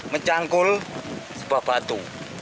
mencangkul sebuah batu